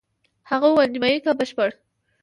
هغه وویل: نیمایي که بشپړ؟